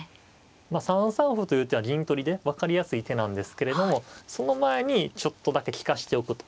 まあ３三歩という手は銀取りで分かりやすい手なんですけれどもその前にちょっとだけ利かしておくと。